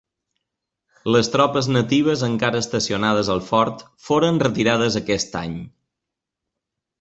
Les tropes natives encara estacionades al fort foren retirades aquest any.